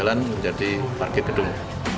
jalan menjadi parkir gedung